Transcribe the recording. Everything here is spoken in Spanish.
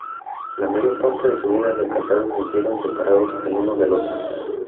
La mayor parte de su vida de casados vivieron separados el uno del otro.